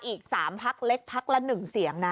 อีก๓พักเล็กพักละ๑เสียงนะ